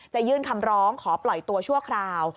ยื่นคำร้องขอปล่อยตัวชั่วคราว